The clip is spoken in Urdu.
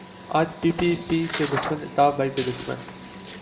آج پی پی پی کے دشمن الطاف بھائی کے دشمن